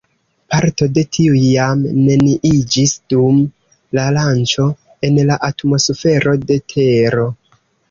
Parto de tiuj jam neniiĝis dum la lanĉo en la atmosfero de Tero.